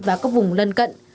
và các vùng lân cận